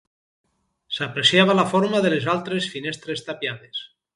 S'apreciava la forma de les altres finestres tapiades.